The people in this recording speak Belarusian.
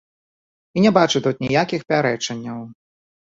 І не бачу тут ніякіх пярэчанняў.